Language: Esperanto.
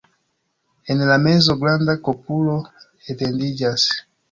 En la mezo granda kupolo etendiĝas.